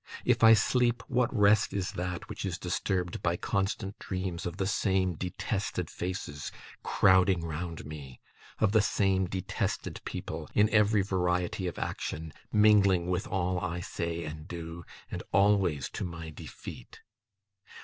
If I sleep, what rest is that which is disturbed by constant dreams of the same detested faces crowding round me of the same detested people, in every variety of action, mingling with all I say and do, and always to my defeat?